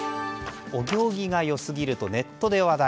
お行儀が良すぎるとネットに話題。